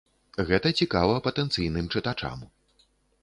Гэта цікава патэнцыйным чытачам.